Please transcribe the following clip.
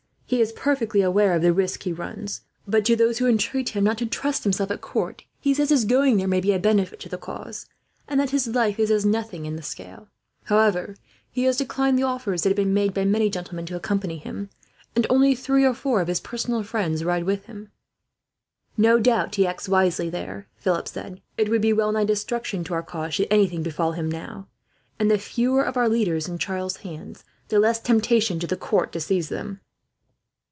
He is perfectly aware of the risk he runs but, to those who entreat him not to trust himself at court, he says his going there may be a benefit to the cause, and that his life is as nothing in the scale. However, he has declined the offers that have been made by many gentlemen to accompany him, and only three or four of his personal friends ride with him." "No doubt he acts wisely, there," Philip said. "It would be well nigh destruction to our cause, should anything befall him now; and the fewer of our leaders in Charles's hands, the less temptation to the court to seize them.